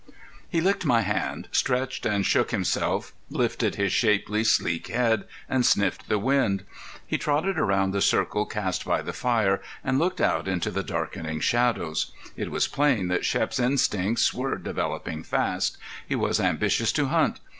He licked my hand, stretched and shook himself, lifted his shapely, sleek head and sniffed the wind. He trotted around the circle cast by the fire and looked out into the darkening shadows. It was plain that Shep's instincts were developing fast; he was ambitious to hunt.